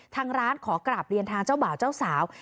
ทางร้านขอกราบเรียนทางเจ้าบ่าวเจ้าสาว